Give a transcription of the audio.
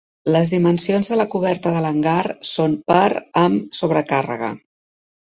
Les dimensions de la coberta de l'hangar són per/amb sobrecàrrega.